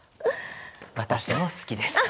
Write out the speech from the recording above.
私も好きです。